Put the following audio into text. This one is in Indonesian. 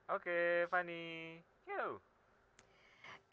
oke fanny yuk